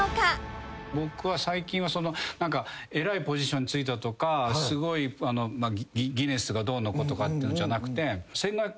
僕は最近は偉いポジションに就いたとかすごいギネスがどうのとかっていうのじゃなくて。